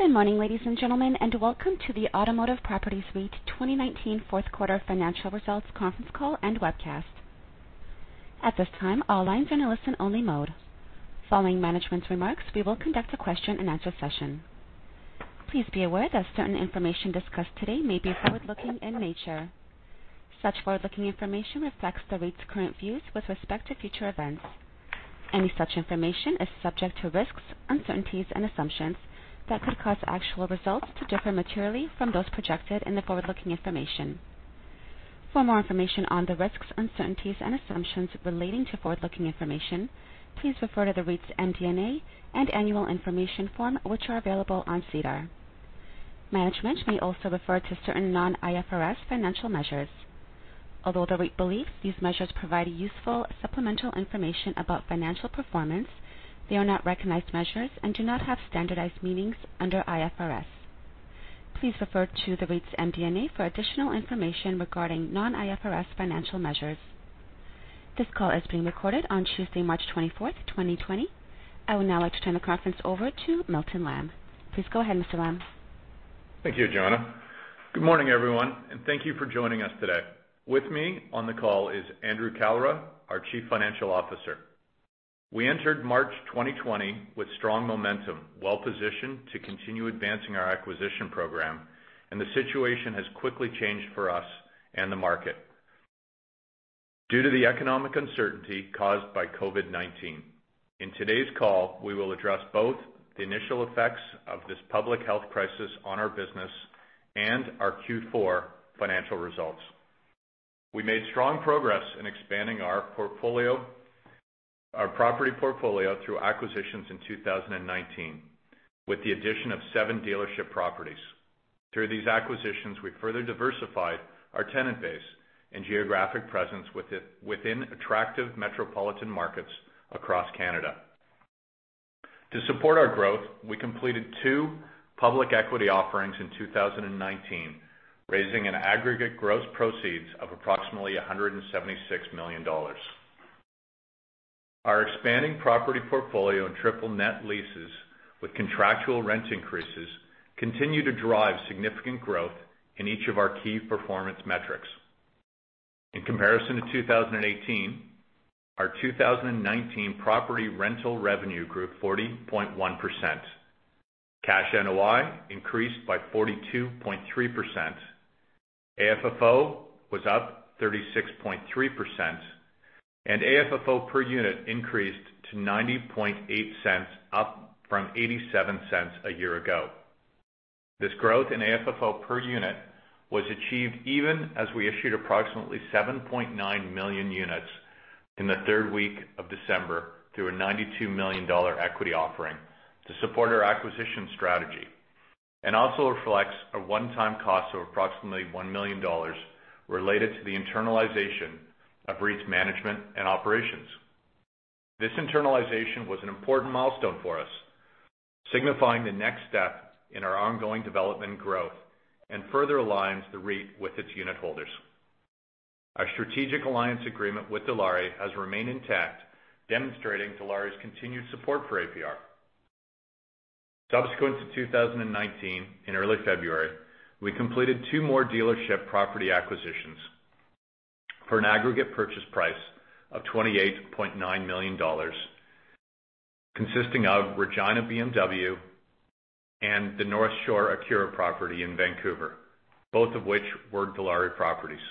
Good morning, ladies and gentlemen, and welcome to the Automotive Properties REIT 2019 fourth quarter financial results conference call and webcast. At this time, all lines are in listen-only mode. Following management's remarks, we will conduct a question and answer session. Please be aware that certain information discussed today may be forward-looking in nature. Such forward-looking information reflects the REIT's current views with respect to future events. Any such information is subject to risks, uncertainties and assumptions that could cause actual results to differ materially from those projected in the forward-looking information. For more information on the risks, uncertainties, and assumptions relating to forward-looking information, please refer to the REIT's MD&A and annual information form, which are available on SEDAR. Management may also refer to certain non-IFRS financial measures. Although the REIT believes these measures provide a useful supplemental information about financial performance, they are not recognized measures and do not have standardized meanings under IFRS. Please refer to the REIT's MD&A for additional information regarding non-IFRS financial measures. This call is being recorded on Tuesday, March 24th, 2020. I would now like to turn the conference over to Milton Lamb. Please go ahead, Mr. Lamb. Thank you, Joanna. Good morning, everyone, and thank you for joining us today. With me on the call is Andrew Kalra, our Chief Financial Officer. We entered March 2020 with strong momentum, well-positioned to continue advancing our acquisition program, and the situation has quickly changed for us and the market due to the economic uncertainty caused by COVID-19. In today's call, we will address both the initial effects of this public health crisis on our business and our Q4 financial results. We made strong progress in expanding our property portfolio through acquisitions in 2019, with the addition of seven dealership properties. Through these acquisitions, we further diversified our tenant base and geographic presence within attractive metropolitan markets across Canada. To support our growth, we completed two public equity offerings in 2019, raising an aggregate gross proceeds of approximately 176 million dollars. Our expanding property portfolio and triple net leases with contractual rent increases continue to drive significant growth in each of our key performance metrics. In comparison to 2018, our 2019 property rental revenue grew 40.1%. Cash NOI increased by 42.3%. AFFO was up 36.3%, and AFFO per unit increased to 0.908, up from 0.87 a year ago. This growth in AFFO per unit was achieved even as we issued approximately 7.9 million units in the third week of December through a 92 million dollar equity offering to support our acquisition strategy, and also reflects a one-time cost of approximately 1 million dollars related to the internalization of REIT's management and operations. This internalization was an important milestone for us, signifying the next step in our ongoing development growth, and further aligns the REIT with its unit holders. Our strategic alliance agreement with Dilawri has remained intact, demonstrating Dilawri's continued support for APR. Subsequent to 2019, in early February, we completed two more dealership property acquisitions for an aggregate purchase price of 28.9 million dollars, consisting of Regina BMW and the North Shore Acura property in Vancouver, both of which were Dilawri properties.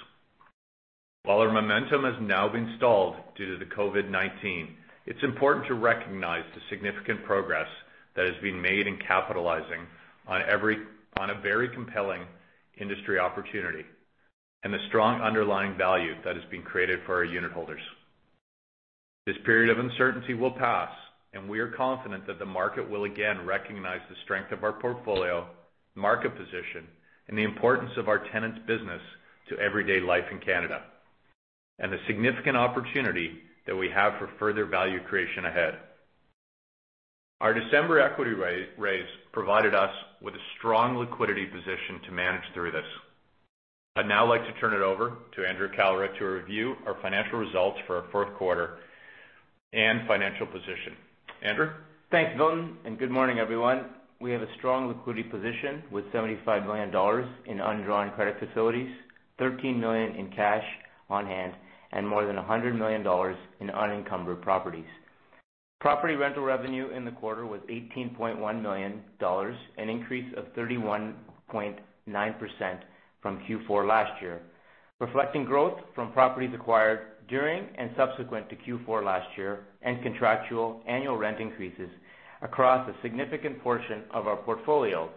While our momentum has now been stalled due to the COVID-19, it's important to recognize the significant progress that has been made in capitalizing on a very compelling industry opportunity, and the strong underlying value that has been created for our unit holders. This period of uncertainty will pass, and we are confident that the market will again recognize the strength of our portfolio, market position, and the importance of our tenants' business to everyday life in Canada, and the significant opportunity that we have for further value creation ahead. Our December equity raise provided us with a strong liquidity position to manage through this. I'd now like to turn it over to Andrew Kalra to review our financial results for our fourth quarter and financial position. Andrew? Thanks, Milton. Good morning, everyone. We have a strong liquidity position with 75 million dollars in undrawn credit facilities, 13 million in cash on hand, and more than 100 million dollars in unencumbered properties. Property rental revenue in the quarter was 18.1 million dollars, an increase of 31.9% from Q4 last year, reflecting growth from properties acquired during and subsequent to Q4 last year and contractual annual rent increases across a significant portion of our portfolio.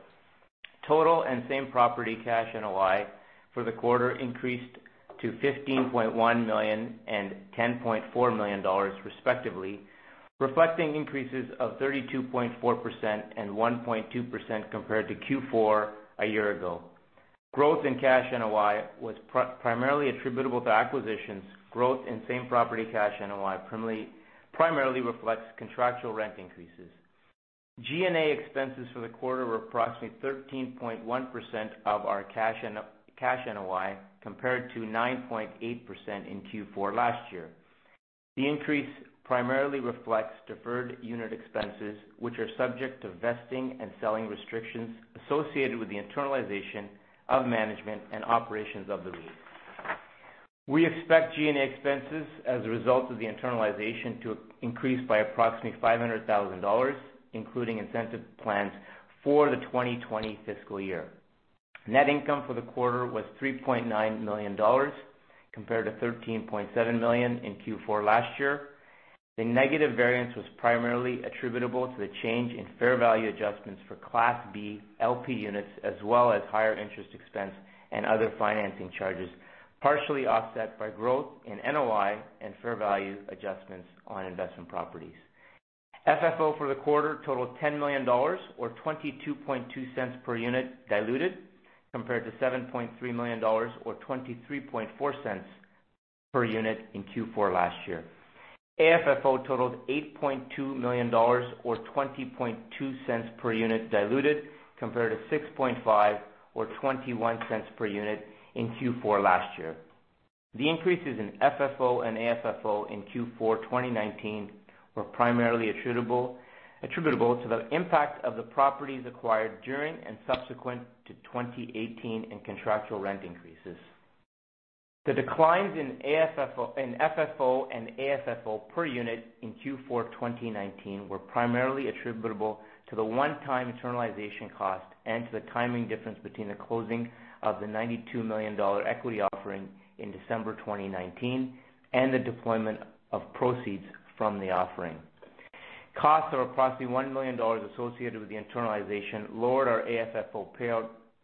Total and same property cash NOI for the quarter increased to 15.1 million and 10.4 million dollars respectively, reflecting increases of 32.4% and 1.2% compared to Q4 a year ago. Growth in cash NOI was primarily attributable to acquisitions. Growth in same property cash NOI primarily reflects contractual rent increases. G&A expenses for the quarter were approximately 13.1% of our cash NOI, compared to 9.8% in Q4 last year. The increase primarily reflects deferred unit expenses, which are subject to vesting and selling restrictions associated with the internalization of management and operations of the REIT. We expect G&A expenses as a result of the internalization to increase by approximately 500,000 dollars, including incentive plans for the 2020 fiscal year. Net income for the quarter was 3.9 million dollars, compared to 13.7 million in Q4 last year. The negative variance was primarily attributable to the change in fair value adjustments for Class B LP units, as well as higher interest expense and other financing charges, partially offset by growth in NOI and fair value adjustments on investment properties. FFO for the quarter totaled 10 million dollars, or 0.222 per unit diluted, compared to 7.3 million dollars or 0.234 per unit in Q4 last year. AFFO totaled 8.2 million dollars or 0.202 per unit diluted, compared to 6.5 million or 0.21 per unit in Q4 last year. The increases in FFO and AFFO in Q4 2019 were primarily attributable to the impact of the properties acquired during and subsequent to 2018 and contractual rent increases. The declines in FFO and AFFO per unit in Q4 2019 were primarily attributable to the one-time internalization cost and to the timing difference between the closing of the 92 million dollar equity offering in December 2019, and the deployment of proceeds from the offering. Costs are approximately 1 million dollars associated with the internalization, lowered our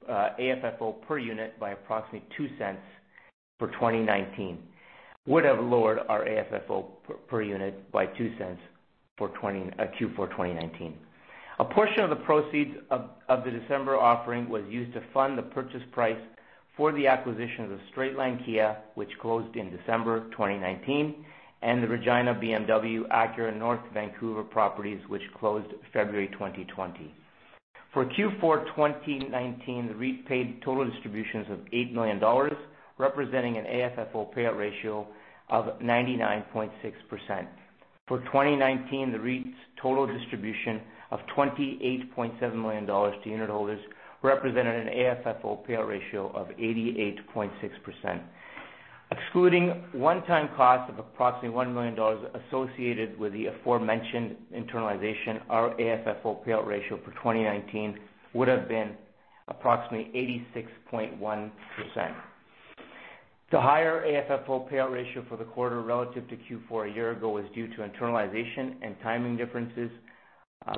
AFFO per unit by approximately 0.02 for 2019. Would have lowered our AFFO per unit by 0.02 for Q4 2019. A portion of the proceeds of the December offering was used to fund the purchase price for the acquisition of the Straightline Kia, which closed in December 2019, and the Regina BMW Acura North Vancouver properties, which closed February 2020. For Q4 2019, the REIT paid total distributions of 8 million dollars, representing an AFFO payout ratio of 99.6%. For 2019, the REIT's total distribution of 28.7 million dollars to unitholders represented an AFFO payout ratio of 88.6%. Excluding one-time costs of approximately 1 million dollars associated with the aforementioned internalization, our AFFO payout ratio for 2019 would have been approximately 86.1%. The higher AFFO payout ratio for the quarter relative to Q4 a year ago was due to internalization and timing differences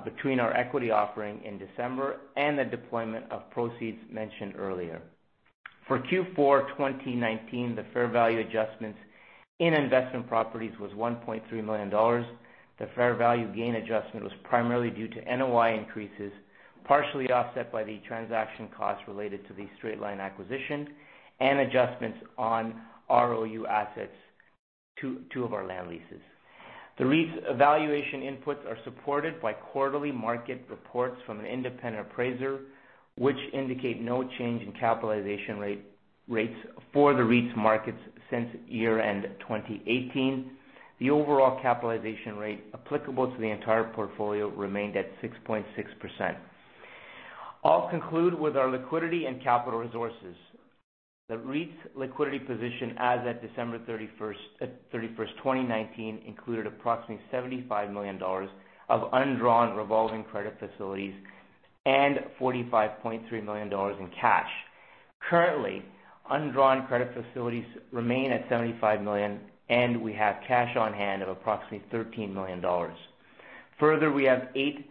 between our equity offering in December and the deployment of proceeds mentioned earlier. For Q4 2019, the fair value adjustments in investment properties was 1.3 million dollars. The fair value gain adjustment was primarily due to NOI increases, partially offset by the transaction costs related to the Straightline acquisition and adjustments on ROU assets, two of our land leases. The REIT's valuation inputs are supported by quarterly market reports from an independent appraiser, which indicate no change in capitalization rates for the REIT's markets since year-end 2018. The overall capitalization rate applicable to the entire portfolio remained at 6.6%. I'll conclude with our liquidity and capital resources. The REIT's liquidity position as at December 31st, 2019 included approximately 75 million dollars of undrawn revolving credit facilities and 45.3 million dollars in cash. Currently, undrawn credit facilities remain at 75 million, and we have cash on hand of approximately 13 million dollars. We have eight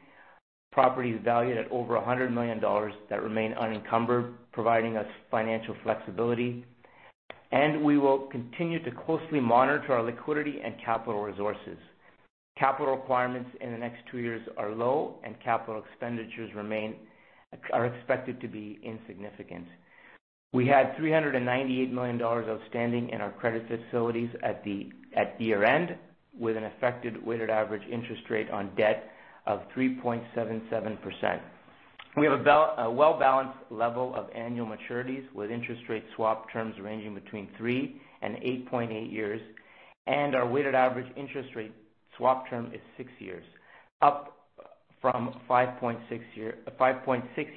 properties valued at over 100 million dollars that remain unencumbered, providing us financial flexibility, and we will continue to closely monitor our liquidity and capital resources. Capital requirements in the next two years are low, and capital expenditures are expected to be insignificant. We had 398 million dollars outstanding in our credit facilities at year-end, with an affected weighted average interest rate on debt of 3.77%. We have a well-balanced level of annual maturities with interest rate swap terms ranging between three and 8.8 years, and our weighted average interest rate swap term is six years, up from 5.6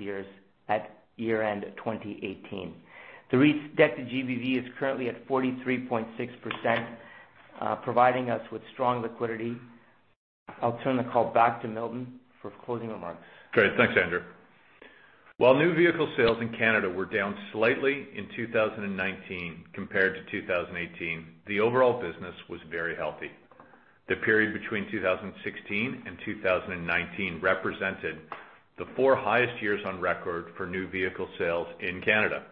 years at year-end 2018. The REIT's debt-to-GBV is currently at 43.6%, providing us with strong liquidity. I'll turn the call back to Milton for closing remarks. Great. Thanks, Andrew. While new vehicle sales in Canada were down slightly in 2019 compared to 2018, the overall business was very healthy. The period between 2016 and 2019 represented the four highest years on record for new vehicle sales in Canada.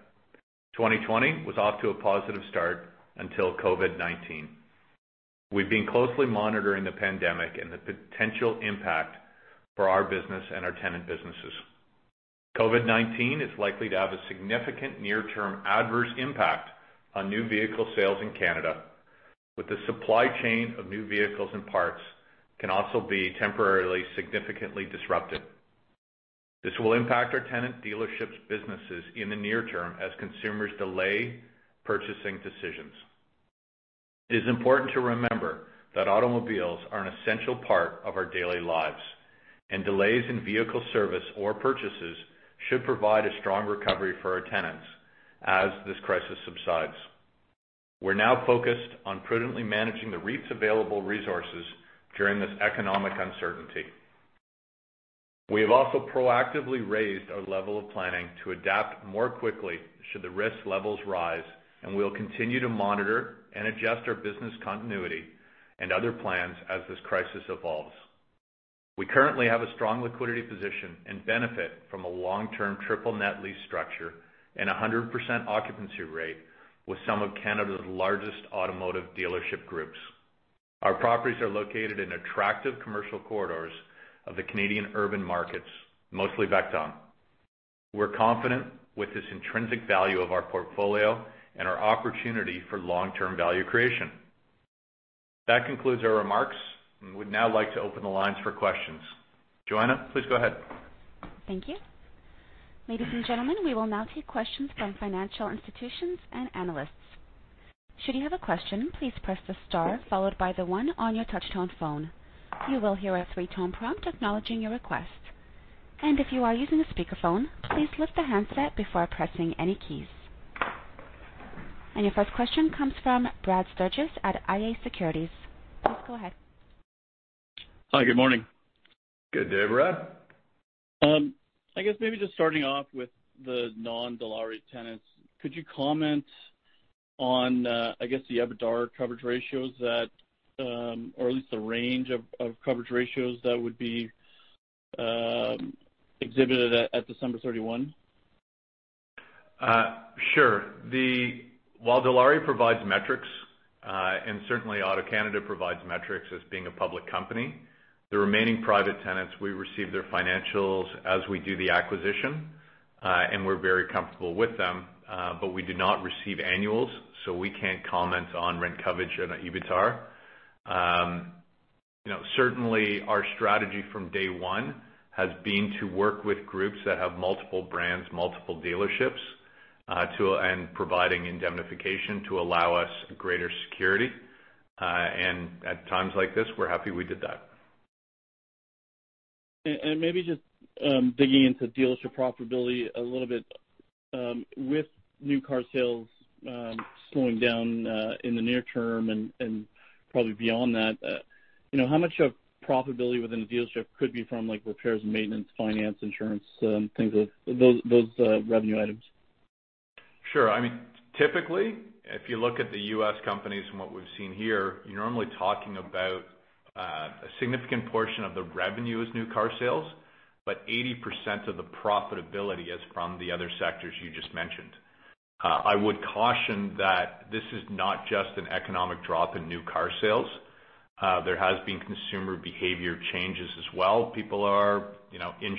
2020 was off to a positive start until COVID-19. We've been closely monitoring the pandemic and the potential impact for our business and our tenant businesses. COVID-19 is likely to have a significant near-term adverse impact on new vehicle sales in Canada, with the supply chain of new vehicles and parts can also be temporarily, significantly disrupted. This will impact our tenant dealerships businesses in the near term as consumers delay purchasing decisions. It is important to remember that automobiles are an essential part of our daily lives, and delays in vehicle service or purchases should provide a strong recovery for our tenants as this crisis subsides. We're now focused on prudently managing the REIT's available resources during this economic uncertainty. We have also proactively raised our level of planning to adapt more quickly should the risk levels rise, and we'll continue to monitor and adjust our business continuity and other plans as this crisis evolves. We currently have a strong liquidity position and benefit from a long-term triple net lease structure and 100% occupancy rate with some of Canada's largest automotive dealership groups. Our properties are located in attractive commercial corridors of the Canadian urban markets, mostly backed on. We're confident with this intrinsic value of our portfolio and our opportunity for long-term value creation. That concludes our remarks. We'd now like to open the lines for questions. Joanna, please go ahead. Thank you. Ladies and gentlemen, we will now take questions from financial institutions and analysts. Should you have a question, please press the star followed by the one on your touch-tone phone. You will hear a three-tone prompt acknowledging your request. If you are using a speakerphone, please lift the handset before pressing any keys. Your first question comes from Brad Sturges at iA Securities. Please go ahead. Hi, good morning. Good day, Brad. I guess maybe just starting off with the non-Dilawri tenants, could you comment on, I guess, the EBITDAR coverage ratios, or at least the range of coverage ratios that would be exhibited at December 31? Sure. While Dilawri provides metrics, and certainly AutoCanada provides metrics as being a public company, the remaining private tenants, we receive their financials as we do the acquisition, and we are very comfortable with them, but we do not receive annuals, so we cannot comment on rent coverage and EBITDAR. Certainly, our strategy from day one has been to work with groups that have multiple brands, multiple dealerships, and providing indemnification to allow us greater security. At times like this, we are happy we did that. Maybe just digging into dealership profitability a little bit. With new car sales slowing down in the near term and probably beyond that, how much of profitability within a dealership could be from repairs and maintenance, finance, insurance, things like those revenue items? Sure. Typically, if you look at the U.S. companies and what we've seen here, you're normally talking about a significant portion of the revenue is new car sales, but 80% of the profitability is from the other sectors you just mentioned. I would caution that this is not just an economic drop in new car sales. There has been consumer behavior changes as well. People are in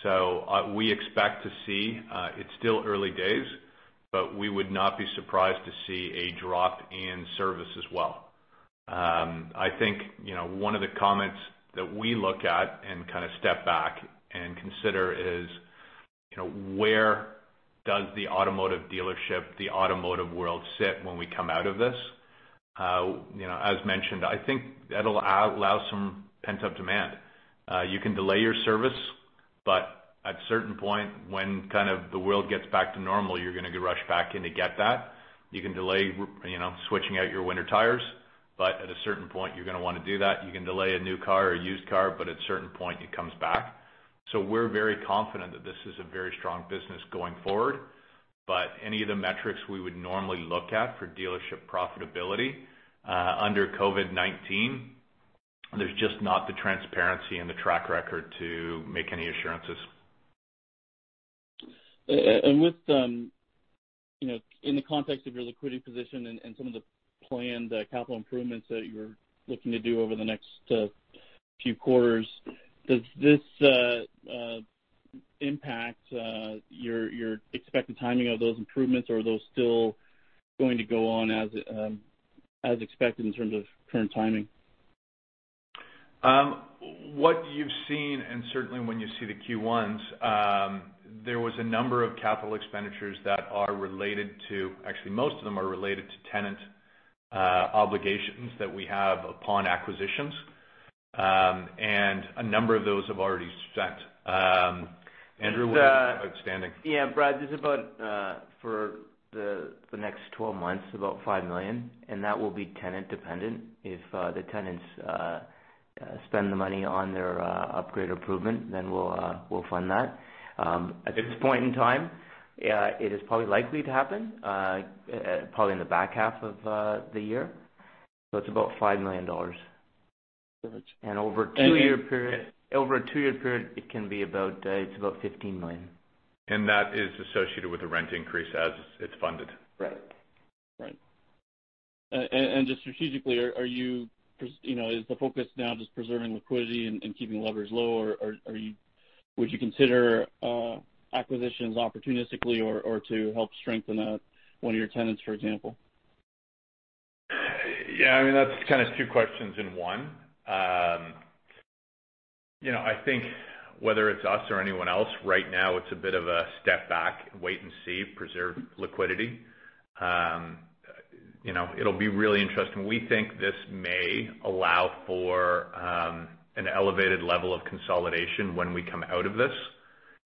shutdown. We expect to see, it's still early days, but we would not be surprised to see a drop in service as well. I think one of the comments that we look at and kind of step back and consider is where does the automotive dealership, the automotive world sit when we come out of this? As mentioned, I think that'll allow some pent-up demand. You can delay your service, but at a certain point when kind of the world gets back to normal, you're going to rush back in to get that. You can delay switching out your winter tires, but at a certain point, you're going to want to do that. You can delay a new car or a used car, but at a certain point it comes back. We're very confident that this is a very strong business going forward. Any of the metrics we would normally look at for dealership profitability under COVID-19, there's just not the transparency and the track record to make any assurances. In the context of your liquidity position and some of the planned capital improvements that you're looking to do over the next few quarters, does this impact your expected timing of those improvements, or are those still going to go on as expected in terms of current timing? What you've seen, and certainly when you see the Q1s, there was a number of capital expenditures that are related to, actually, most of them are related to tenant obligations that we have upon acquisitions, and a number of those have already set. Andrew, what do we have outstanding? Yeah, Brad, there's about, for the next 12 months, about 5 million, and that will be tenant-dependent. If the tenants spend the money on their upgrade improvement, then we'll fund that. At this point in time, it is probably likely to happen, probably in the back half of the year. It's about 5 million dollars. Gotcha. Over a two-year period, it's about 15 million. That is associated with the rent increase as it's funded. Right. Right. Just strategically, is the focus now just preserving liquidity and keeping levers low, or would you consider acquisitions opportunistically or to help strengthen one of your tenants, for example? Yeah, that's two questions in one. I think whether it's us or anyone else, right now it's a bit of a step back, wait and see, preserve liquidity. It'll be really interesting. We think this may allow for an elevated level of consolidation when we come out of this.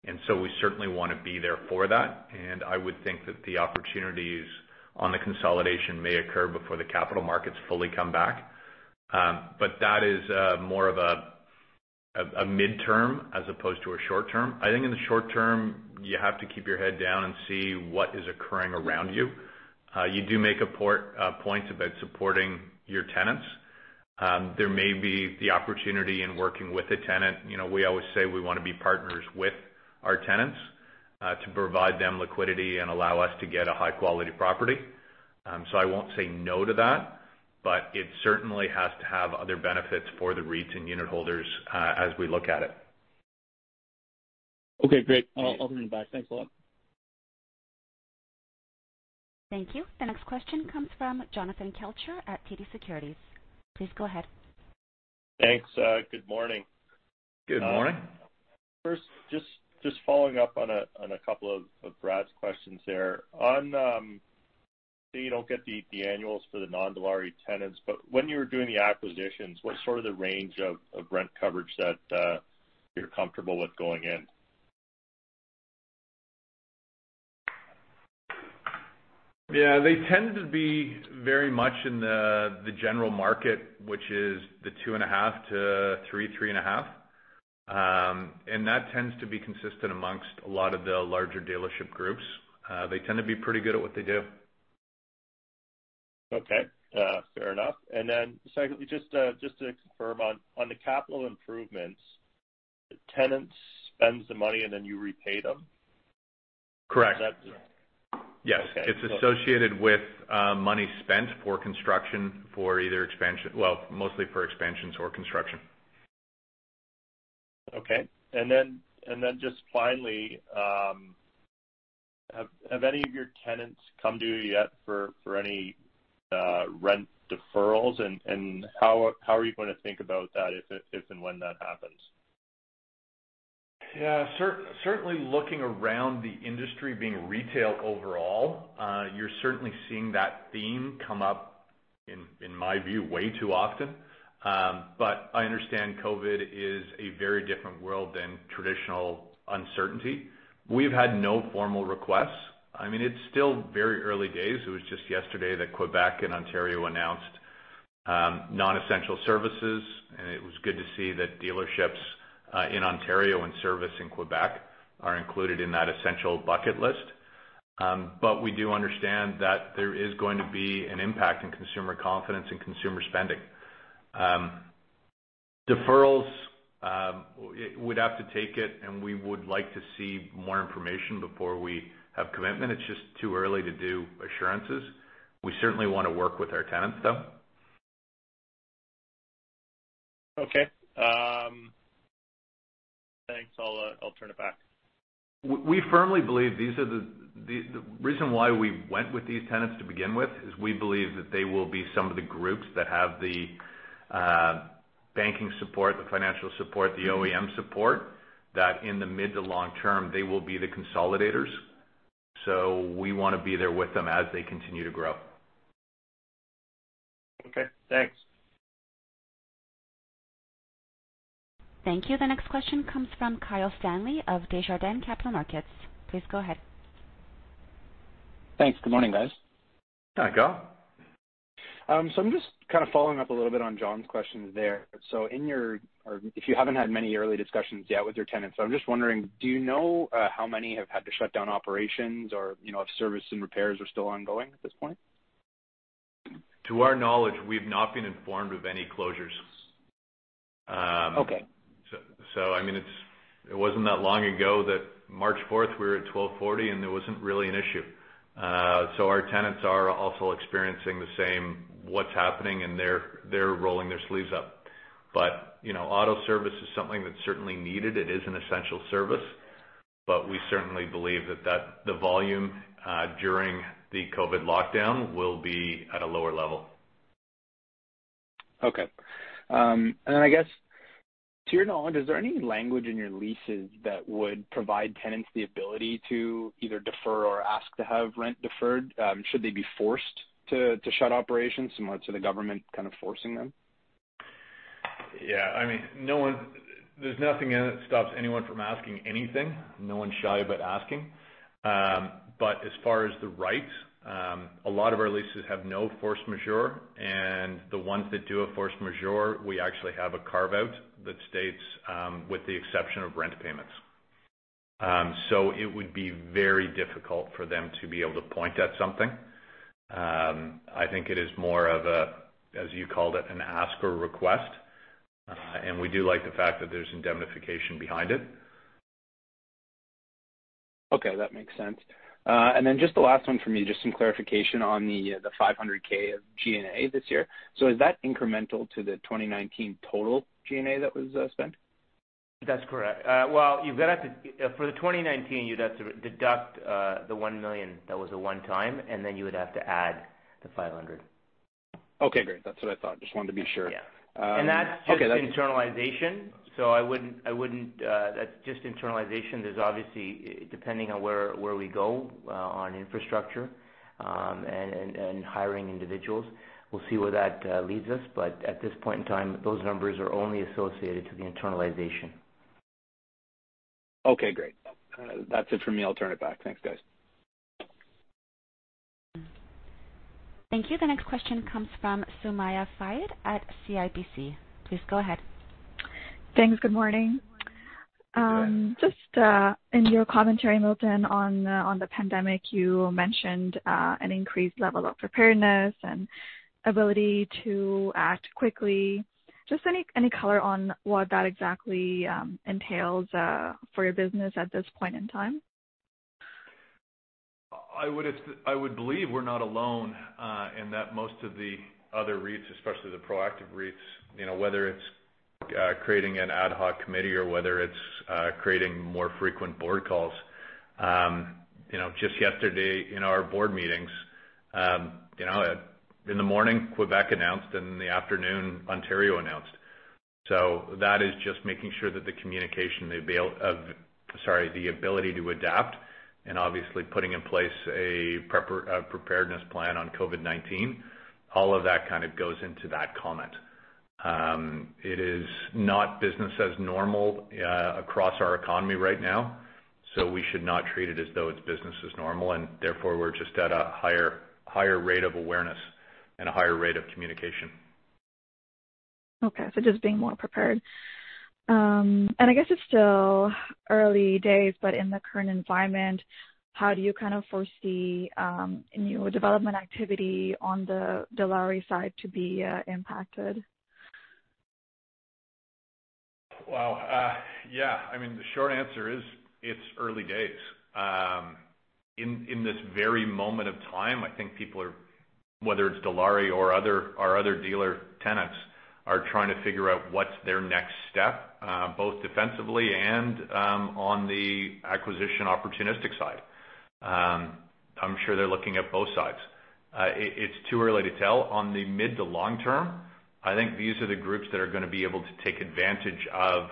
We certainly want to be there for that. I would think that the opportunities on the consolidation may occur before the capital markets fully come back. That is more of a midterm as opposed to a short term. I think in the short term, you have to keep your head down and see what is occurring around you. You do make a point about supporting your tenants. There may be the opportunity in working with a tenant. We always say we want to be partners with our tenants, to provide them liquidity and allow us to get a high-quality property. I won't say no to that, but it certainly has to have other benefits for the REITs and unitholders as we look at it. Okay, great. I'll bring it back. Thanks a lot. Thank you. The next question comes from Jonathan Kelcher at TD Securities. Please go ahead. Thanks. Good morning. Good morning. First, just following up on a couple of Brad's questions there. You don't get the annuals for the non-Dilawri tenants, but when you were doing the acquisitions, what's sort of the range of rent coverage that you're comfortable with going in? Yeah. They tend to be very much in the general market, which is the 2.5-3.5. That tends to be consistent among a lot of the larger dealership groups. They tend to be pretty good at what they do. Okay. Fair enough. Secondly, just to confirm on the capital improvements, tenants spends the money and then you repay them? Correct. Is that- Yes. Okay. It's associated with money spent for construction for either expansion, well, mostly for expansions or construction. Okay. Then just finally, have any of your tenants come to you yet for any rent deferrals and how are you going to think about that if and when that happens? Yeah. Certainly looking around the industry being retail overall, you're certainly seeing that theme come up, in my view, way too often. I understand COVID is a very different world than traditional uncertainty. We've had no formal requests. It's still very early days. It was just yesterday that Quebec and Ontario announced non-essential services, and it was good to see that dealerships in Ontario and service in Quebec are included in that essential bucket list. We do understand that there is going to be an impact in consumer confidence and consumer spending. Deferrals, we'd have to take it, and we would like to see more information before we have commitment. It's just too early to do assurances. We certainly want to work with our tenants, though. Okay. Thanks. I will turn it back. We firmly believe the reason why we went with these tenants to begin with is we believe that they will be some of the groups that have the banking support, the financial support, the OEM support, that in the mid to long term, they will be the consolidators. We want to be there with them as they continue to grow. Okay, thanks. Thank you. The next question comes from Kyle Stanley of Desjardins Capital Markets. Please go ahead. Thanks. Good morning, guys. Hi, Kyle. I'm just kind of following up a little bit on Jon's questions there. If you haven't had many early discussions yet with your tenants, I'm just wondering, do you know how many have had to shut down operations or if service and repairs are still ongoing at this point? To our knowledge, we've not been informed of any closures. Okay. It wasn't that long ago that March 4th we were at 1,240 and there wasn't really an issue. Our tenants are also experiencing the same, what's happening and they're rolling their sleeves up. Auto service is something that's certainly needed. It is an essential service, but we certainly believe that the volume during the COVID lockdown will be at a lower level. Okay. Then I guess to your knowledge, is there any language in your leases that would provide tenants the ability to either defer or ask to have rent deferred, should they be forced to shut operations similar to the government kind of forcing them? Yeah. There's nothing in it that stops anyone from asking anything. No one's shy about asking. As far as the rights, a lot of our leases have no force majeure, and the ones that do have force majeure, we actually have a carve-out that states, with the exception of rent payments. It would be very difficult for them to be able to point at something. I think it is more of a, as you called it, an ask or request. We do like the fact that there's indemnification behind it. Okay, that makes sense. Just the last one from me, just some clarification on the 500,000 of G&A this year. Is that incremental to the 2019 total G&A that was spent? That's correct. Well, for the 2019, you'd have to deduct the 1 million that was a one-time, and then you would have to add the 500,000. Okay, great. That's what I thought. Just wanted to be sure. Yeah. And that's- Okay. Just internalization. That's just internalization. There is obviously, depending on where we go on infrastructure and hiring individuals, we will see where that leads us. At this point in time, those numbers are only associated to the internalization. Okay, great. That's it for me. I'll turn it back. Thanks, guys. Thank you. The next question comes from Sumayya Syed at CIBC. Please go ahead. Thanks. Good morning. Good morning. Just in your commentary, Milton, on the pandemic, you mentioned an increased level of preparedness and ability to act quickly. Just any color on what that exactly entails for your business at this point in time? I would believe we're not alone in that most of the other REITs, especially the proactive REITs, whether it's creating an ad hoc committee or whether it's creating more frequent board calls. Just yesterday in our board meetings, in the morning, Quebec announced. In the afternoon Ontario announced. That is just making sure that the communication, of, sorry, the ability to adapt and obviously putting in place a preparedness plan on COVID-19. All of that kind of goes into that comment. It is not business as normal across our economy right now, we should not treat it as though it's business as normal. Therefore we're just at a higher rate of awareness and a higher rate of communication. Okay. Just being more prepared. I guess it's still early days, but in the current environment, how do you kind of foresee new development activity on the Dilawri side to be impacted? Wow. Yeah. I mean, the short answer is, it's early days. In this very moment of time, I think people are, whether it's Dilawri or our other dealer tenants, are trying to figure out what's their next step, both defensively and on the acquisition opportunistic side. I'm sure they're looking at both sides. It's too early to tell. On the mid to long term, I think these are the groups that are going to be able to take advantage of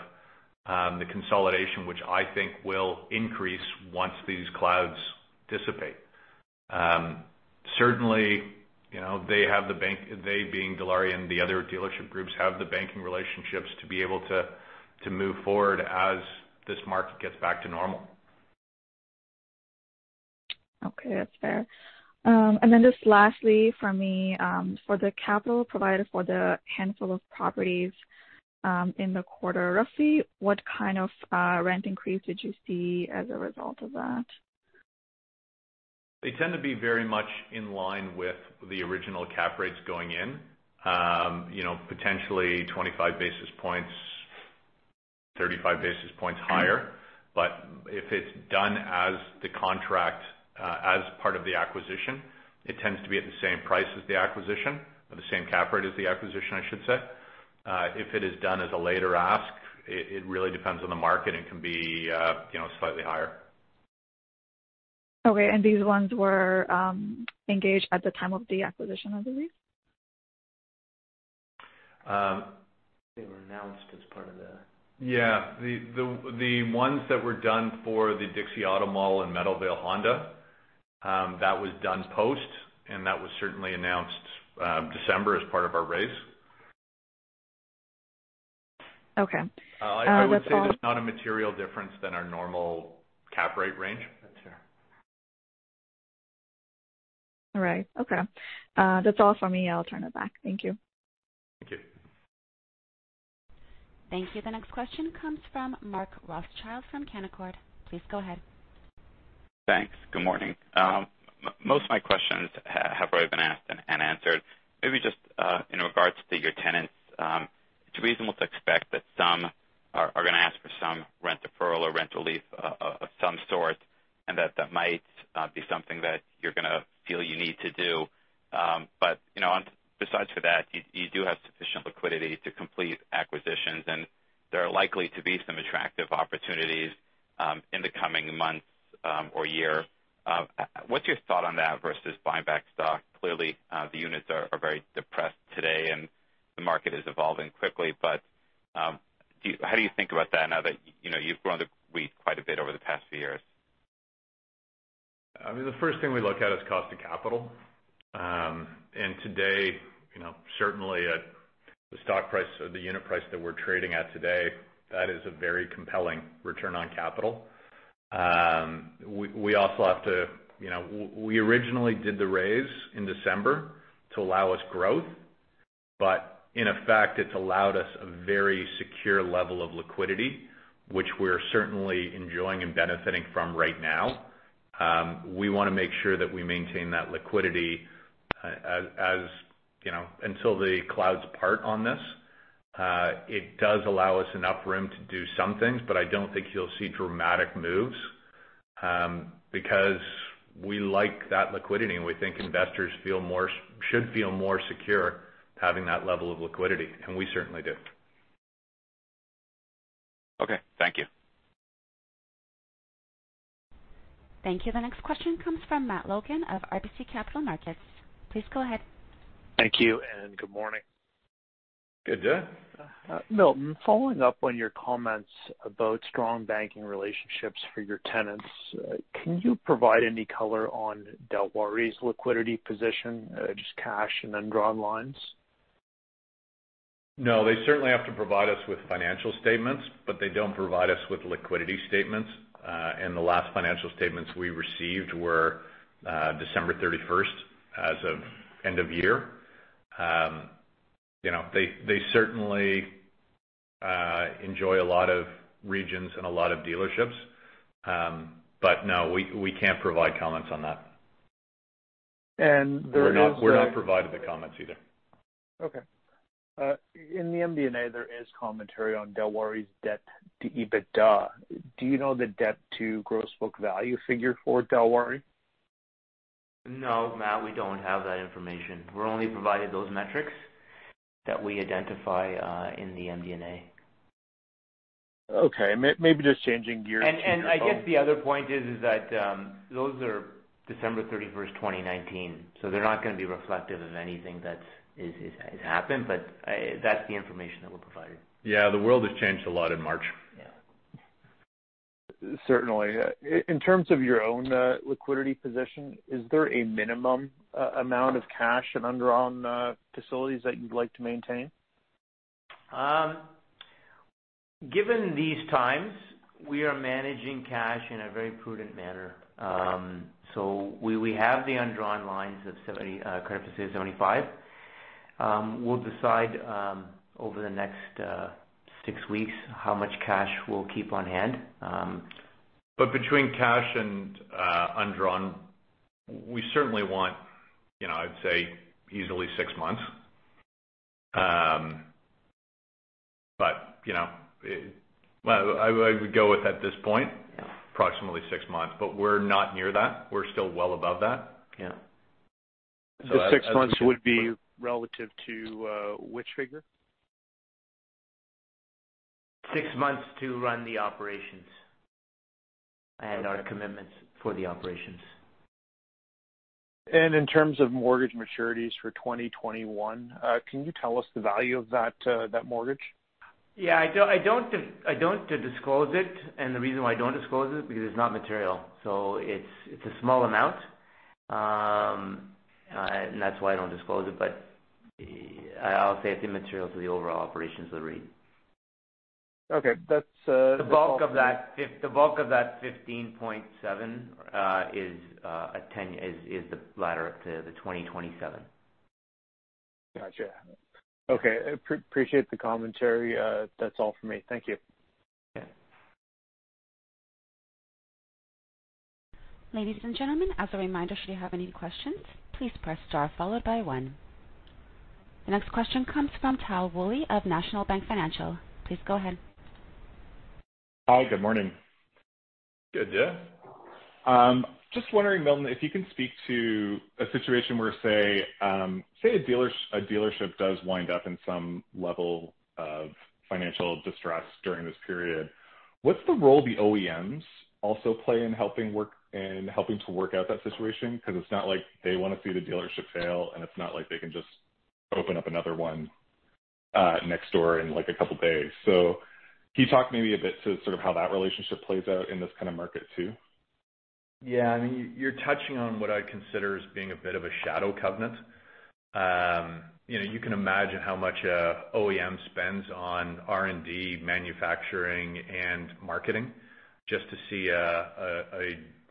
the consolidation, which I think will increase once these clouds dissipate. Certainly, they have the bank, they being Dilawri and the other dealership groups, have the banking relationships to be able to move forward as this market gets back to normal. Okay, that's fair. Just lastly from me, for the capital provided for the handful of properties in the quarter, roughly, what kind of rent increase did you see as a result of that? They tend to be very much in line with the original cap rates going in. Potentially 25 basis points, 35 basis points higher. If it's done as the contract as part of the acquisition, it tends to be at the same price as the acquisition or the same cap rate as the acquisition, I should say. If it is done as a later ask, it really depends on the market and can be slightly higher. Okay, and these ones were engaged at the time of the acquisition, I believe? They were announced as part of the. Yeah. The ones that were done for the Dixie Auto Mall and Meadowvale Honda, that was done post, and that was certainly announced December as part of our raise. Okay. I would say it's not a material difference than our normal cap rate range. That's fair. All right. Okay. That's all for me. I'll turn it back. Thank you. Thank you. Thank you. The next question comes from Mark Rothschild from Canaccord. Please go ahead. Thanks. Good morning. Most of my questions have already been asked and answered. Maybe just in regards to your tenants. It's reasonable to expect that some are going to ask for some rent deferral or rent relief of some sort, and that that might not be something that you're going to feel you need to do. Besides for that, you do have sufficient liquidity to complete acquisitions, and there are likely to be some attractive opportunities in the coming months or year. What's your thought on that versus buying back stock? Clearly, the units are very depressed today, and the market is evolving quickly, but how do you think about that now that you've grown the REIT quite a bit over the past few years? I mean, the first thing we look at is cost of capital. Today, certainly at the stock price or the unit price that we're trading at today, that is a very compelling return on capital. We originally did the raise in December to allow us growth, but in effect, it's allowed us a very secure level of liquidity, which we're certainly enjoying and benefiting from right now. We want to make sure that we maintain that liquidity until the clouds part on this. It does allow us enough room to do some things, but I don't think you'll see dramatic moves. Because we like that liquidity, and we think investors should feel more secure having that level of liquidity, and we certainly do. Okay. Thank you. Thank you. The next question comes from Matt Logan of RBC Capital Markets. Please go ahead. Thank you, and good morning. Good day. Milton, following up on your comments about strong banking relationships for your tenants, can you provide any color on Dilawri's liquidity position, just cash and undrawn lines? They certainly have to provide us with financial statements, but they don't provide us with liquidity statements. The last financial statements we received were December 31st as of end of year. They certainly enjoy a lot of regions and a lot of dealerships. No, we can't provide comments on that. There is- We're not provided the comments either. Okay. In the MD&A, there is commentary on Dilawri's debt to EBITDA. Do you know the debt to gross book value figure for Dilawri? No, Matt, we don't have that information. We're only provided those metrics that we identify in the MD&A. Okay. Maybe just changing gears to your own- I guess the other point is that those are December 31st, 2019. They're not going to be reflective of anything that has happened, but that's the information that we're provided. Yeah, the world has changed a lot in March. Yeah. Certainly. In terms of your own liquidity position, is there a minimum amount of cash and undrawn facilities that you'd like to maintain? Given these times, we are managing cash in a very prudent manner. We have the undrawn lines of credit facility 75 million. We'll decide over the next six weeks how much cash we'll keep on hand. Between cash and undrawn, we certainly want, I'd say easily six months. I would go with at this point approximately six months, but we're not near that. We're still well above that. Yeah. The six months would be relative to which figure? Six months to run the operations and our commitments for the operations. In terms of mortgage maturities for 2021, can you tell us the value of that mortgage? Yeah, I don't disclose it, and the reason why I don't disclose it is because it's not material. It's a small amount, and that's why I don't disclose it, but I'll say it's immaterial to the overall operations of the REIT. Okay. The bulk of that 15.7 is the latter to the 2027. Got you. Okay. Appreciate the commentary. That is all for me. Thank you. Yeah. Ladies and gentlemen, as a reminder, should you have any questions, please press star followed by one. The next question comes from Tal Woolley of National Bank Financial. Please go ahead. Hi, good morning. Good day. Just wondering, Milton, if you can speak to a situation where, say, a dealership does wind up in some level of financial distress during this period. What's the role the OEMs also play in helping to work out that situation? It's not like they want to see the dealership fail, and it's not like they can just open up another one next door in a couple of days. Can you talk maybe a bit to sort of how that relationship plays out in this kind of market too? Yeah, I mean, you're touching on what I consider as being a bit of a shadow covenant. You can imagine how much an OEM spends on R&D, manufacturing, and marketing just to see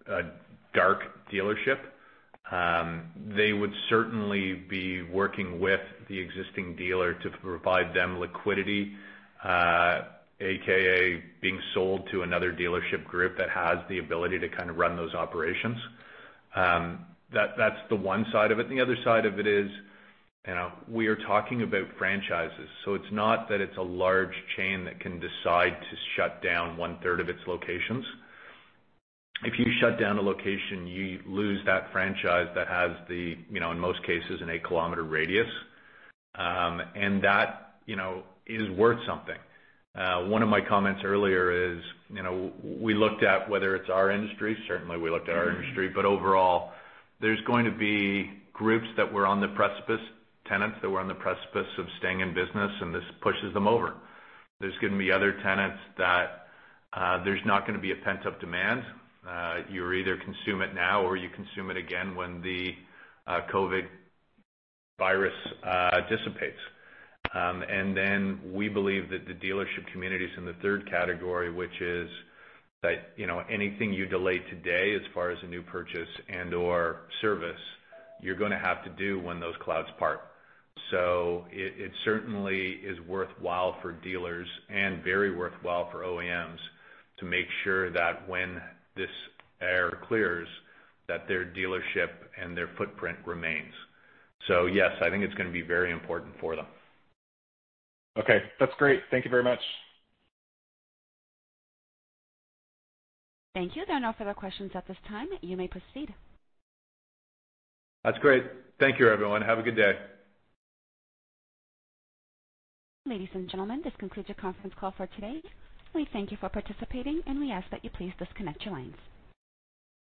a dark dealership. They would certainly be working with the existing dealer to provide them liquidity, AKA being sold to another dealership group that has the ability to kind of run those operations. That's the one side of it. The other side of it is we are talking about franchises, so it's not that it's a large chain that can decide to shut down 1/3 of its locations. If you shut down a location, you lose that franchise that has the, in most cases, an 8-km radius, and that is worth something. One of my comments earlier is we looked at whether it's our industry, certainly we looked at our industry, overall, there's going to be groups that were on the precipice, tenants that were on the precipice of staying in business, and this pushes them over. There's going to be other tenants that there's not going to be a pent-up demand. You either consume it now or you consume it again when the COVID virus dissipates. Then we believe that the dealership community is in the third category, which is that anything you delay today as far as a new purchase and/or service, you're going to have to do when those clouds part. It certainly is worthwhile for dealers and very worthwhile for OEMs to make sure that when this air clears, that their dealership and their footprint remains. Yes, I think it's going to be very important for them. Okay. That's great. Thank you very much. Thank you. There are no further questions at this time. You may proceed. That's great. Thank you, everyone. Have a good day. Ladies and gentlemen, this concludes your conference call for today. We thank you for participating, we ask that you please disconnect your lines.